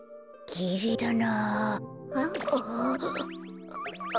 きれいだなあ。